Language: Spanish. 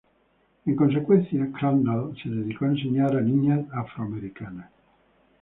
En consecuencia, Crandall se dedicó a enseñar a niñas afroamericanas.